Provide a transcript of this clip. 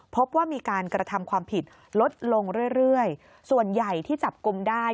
พบว่ามีการกระทำความผิดลดลงเรื่อยเรื่อยส่วนใหญ่ที่จับกลุ่มได้